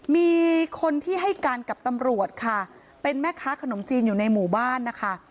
มีคนที่ให้การกับตำรวจค่ะเป็นแม่ค้าขนมจีนอยู่ในหมู่บ้านนะคะ